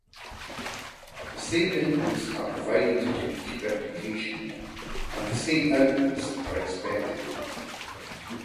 The same inputs are provided to each replication, and the same outputs are expected.